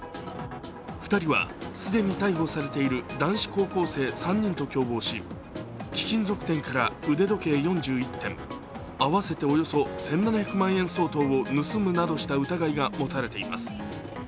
２人は、既に逮捕されている男子高校生３人と共謀し貴金属店から腕時計４１点、合わせておよそ１７００万円相当を盗むなどした疑いが持たれています。